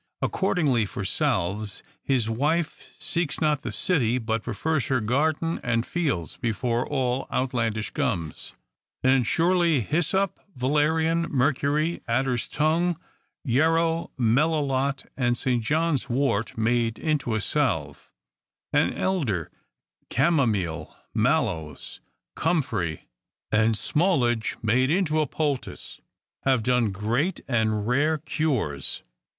Accord ingly for salves, his wife seeks not the city, but prefers her garden and fields before all outlandish gums. And surely hyssop, valerian, mercury, adders tongue, yer row, melilot, and St. John's wort made into a salve ; and elder, camomile, mallows, comphrey, and smallage 28 54 THE COUNTRY PARSON. made into a poultice, have done great and rare cures.